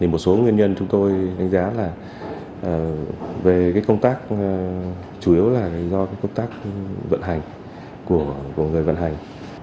một số nguyên nhân chúng tôi đánh giá là về công tác chủ yếu là do công tác vận hành của người vận hành